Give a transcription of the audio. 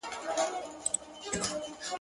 پرېږده جهاني ته د خیالي کاروان سندره دي٫